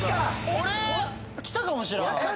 俺きたかもしらん・